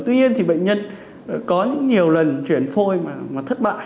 tuy nhiên thì bệnh nhân có những nhiều lần chuyển phôi mà thất bại